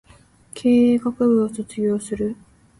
経済学部を卒業する